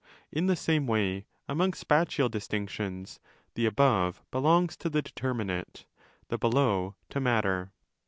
In the same way, among spatial distinctions, the above belongs to the determinate, the below to matter.